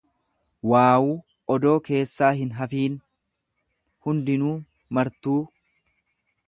waawuu odoo keessaa hinhafiin, hundinuu, martuu.